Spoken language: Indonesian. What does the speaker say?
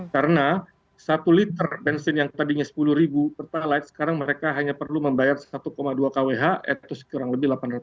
karena satu liter bensin yang tadinya sepuluh ribu sekarang mereka hanya perlu membayar satu dua kwh itu sekurang lebih delapan ratus rupiah